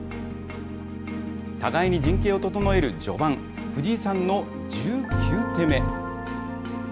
互いに陣形を整える序盤、藤井さんの１９手目。